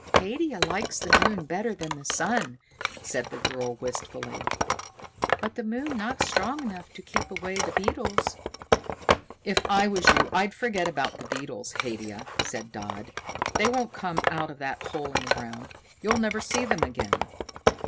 "Haidia likes the moon better than the sun," said the girl wistfully. "But the moon not strong enough to keep away the beetles." "If I was you, I'd forget about the beetles, Haidia," said Dodd. "They won't come out of that hole in the ground. You'll never see them again."